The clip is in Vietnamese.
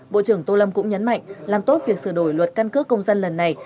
bộ trưởng tô lâm cũng nhấn mạnh làm tốt việc sửa đổi luật căn cước công dân lần này